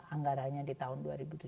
anggarannya di tahun dua ribu tujuh belas